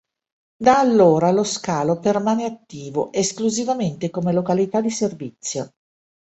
Da allora lo scalo permane attivo esclusivamente come località di servizio.